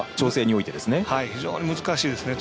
非常に調整は難しいですね。